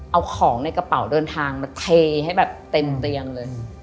เอาของในกระเป๋าเดินทางมาเทให้แบบเต็มเตียงเลย